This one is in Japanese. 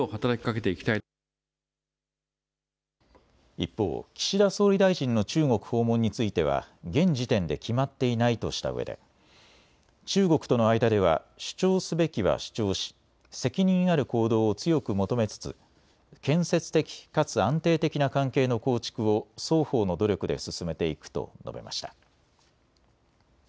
一方、岸田総理大臣の中国訪問については現時点で決まっていないとしたうえで中国との間では主張すべきは主張し責任ある行動を強く求めつつ建設的かつ安定的な関係の構築を双方の努力で進めていくと述べました。